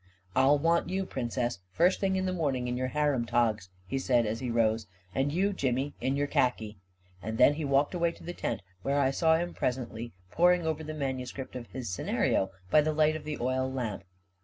" I'll want you, Princess, first thing in the morn ing, in your harem togs," he said, as he rose ;" and you, Jimmy, in your khaki," and then he walked away to the tent, where I saw him presently poring over the manuscript of his scenario by the light of the oil lamp.